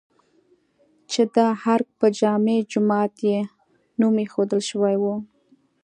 چې د ارګ په جامع جومات یې نوم ايښودل شوی و؟